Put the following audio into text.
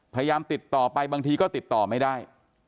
พยายามติดต่อไปบางทีก็ติดต่อไม่ได้